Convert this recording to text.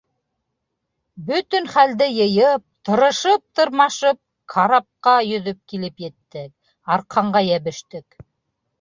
Бөтөн хәлде йыйып, тырышып-тырмашып карапҡа йөҙөп килеп еттек, арҡанға йәбештек.